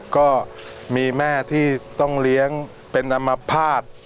ก็มีแม่ที่ต้องเลี้ยงเป็นอมภาษณ์